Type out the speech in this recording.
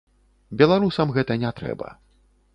Беларусам гэта не трэба.